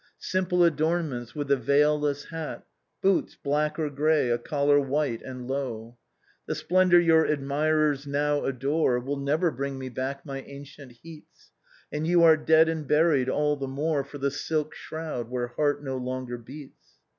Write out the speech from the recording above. Simple adornments, with a veilless hat. Boots, black or grey, a collar white and low. " The splendor your admirers now adore Will never bring me back my ancient heats; And you are dead and buried, all the more For the silk shroud where heart no longer beats.